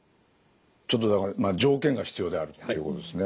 ちょっとだから条件が必要であるということですね。